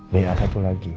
ba satu lagi